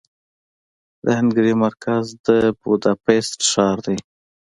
د هنګري مرکز د بوداپست ښار دې.